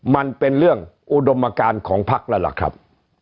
มันเป็นเรื่องอุดมการของพักแล้วล่ะครับ